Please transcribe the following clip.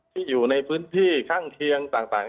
อยู่ในพื้นที่ข้างเคียงต่าง